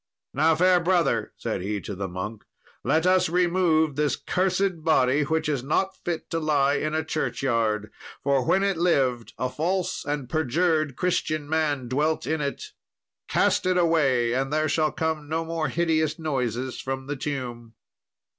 "Now, fair brother," said he to the monk, "let us remove this cursed body, which is not fit to lie in a churchyard, for when it lived, a false and perjured Christian man dwelt in it. Cast it away, and there shall come no more hideous noises from the tomb."